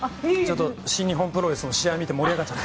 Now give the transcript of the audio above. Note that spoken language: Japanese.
新日本プロレスの試合を見て盛り上がっちゃって。